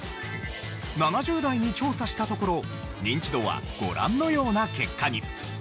７０代に調査したところニンチドはご覧のような結果に。